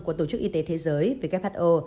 của tổ chức y tế thế giới who